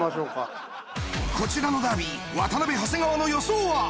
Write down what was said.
こちらのダービー渡辺長谷川の予想は？